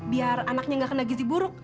biar anaknya nggak kena gizi buruk